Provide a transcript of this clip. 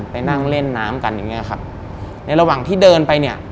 ไปนั่งเล่นน้ำกันอย่างเงี้ยครับในระหว่างที่เดินไปเนี่ย